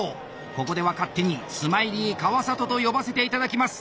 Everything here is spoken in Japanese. ここでは勝手にスマイリー川里と呼ばせて頂きます。